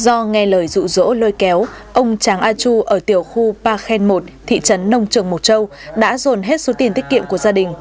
do nghe lời rụ rỗ lôi kéo ông tráng a chu ở tiểu khu pa khen một thị trấn nông trường mộc châu đã dồn hết số tiền tiết kiệm của gia đình